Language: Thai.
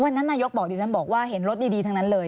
นายกบอกดิฉันบอกว่าเห็นรถดีทั้งนั้นเลย